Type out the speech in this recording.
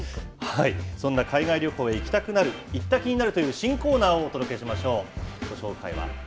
そんな海外旅行に行きたくなる、行った気になるという新コーナーをお届けしましょう。